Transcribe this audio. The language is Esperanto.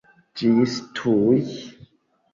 Ĝis tuj!